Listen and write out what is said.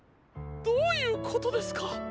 どういうことですか？